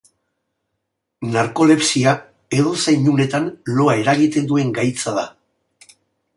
Narkolepsia edozein unetan loa eragiten duen gaitza da.